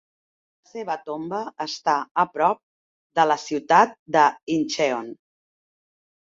La seva tomba està a prop de la ciutat de Incheon.